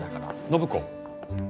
暢子。